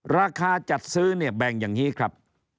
ราคาจัดซื้อเนี่ยแบ่งอย่างนี้ครับ